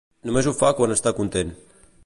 Només ho fa quan està content.